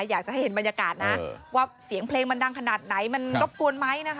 อยากจะให้เห็นบรรยากาศนะว่าเสียงเพลงมันดังขนาดไหนมันรบกวนไหมนะคะ